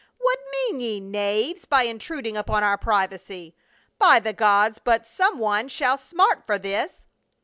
" What mean ye, knaves, by intruding upon our privacy ? By the gods, but some one shall smart for this